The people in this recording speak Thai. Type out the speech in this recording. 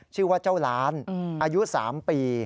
ชื่อว่าเจ้าล้านอายุ๓ปี